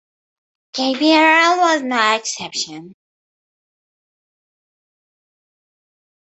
Gabriel was no exception.